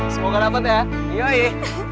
semoga dapet ya